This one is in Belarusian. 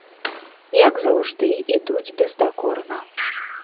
Як заўжды, ідуць бездакорна.